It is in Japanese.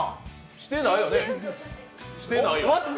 してないよね。